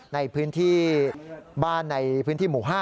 ในพื้นที่บ้านในพื้นที่หมู่๕